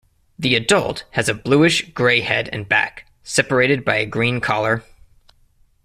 The adult has a bluish-grey head and back, separated by a green collar.